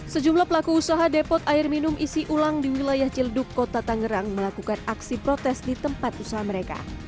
sejumlah pelaku usaha depot air minum isi ulang di wilayah cilduk kota tangerang melakukan aksi protes di tempat usaha mereka